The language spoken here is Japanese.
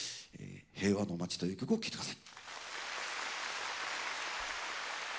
「平和の街」という曲を聴いて下さい。